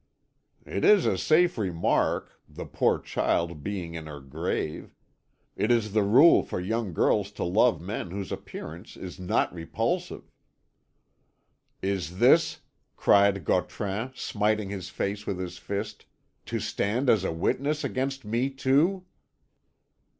"It is a safe remark, the poor child being in her grave. It is the rule for young girls to love men whose appearance is not repulsive." "Is this," cried Gautran, smiting his face with his fist, "to stand as a witness against me, too?"